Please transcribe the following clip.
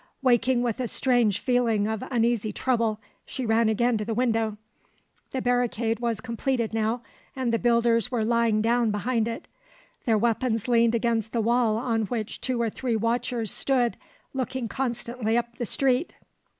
Waking with a strange feeling of uneasy trouble she ran again to the window. The barricade was completed now, and the builders were lying down behind it. Their weapons leaned against the wall on which two or three watchers stood, looking constantly up the street.